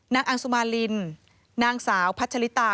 นางอังสุมารินนางสาวพัชลิตา